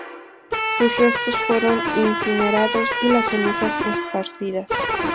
Sus restos fueron incinerados y las cenizas esparcidas.